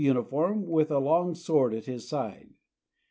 223 uniform, with a long sword at his side.